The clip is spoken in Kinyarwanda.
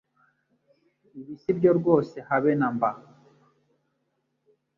Ibi sibyo rwose habe namba